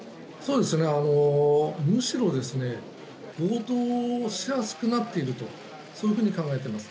むしろ強盗しやすくなっているとそういうふうに考えています。